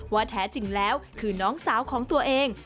แท้จริงแล้วคือน้องสาวของตัวเอง